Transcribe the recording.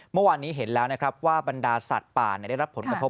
เมื่อวานนี้เห็นแล้วนะครับว่าบรรดาสัตว์ป่าได้รับผลกระทบ